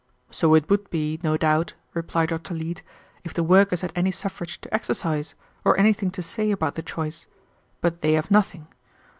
"So it would be, no doubt," replied Dr. Leete, "if the workers had any suffrage to exercise, or anything to say about the choice. But they have nothing.